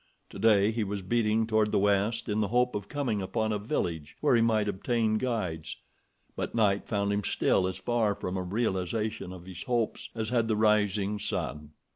Today he was beating toward the west in the hope of coming upon a village where he might obtain guides; but night found him still as far from a realization of his hopes as had the rising sun.